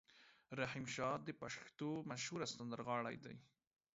رحیم شا د پښتو مشهور سندرغاړی دی.